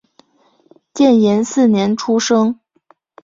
建炎四年出生。